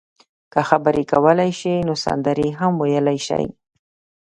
که خبرې کولای شئ نو سندرې هم ویلای شئ.